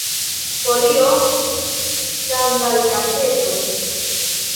Folion skandalgazeto.